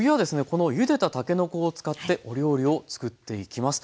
このゆでたたけのこを使ってお料理を作っていきます。